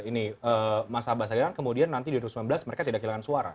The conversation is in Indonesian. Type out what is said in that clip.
ini masa bahasa gelar kemudian nanti di dua ribu sembilan belas mereka tidak kehilangan suara